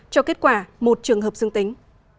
cho kết quả một trường hợp dương tính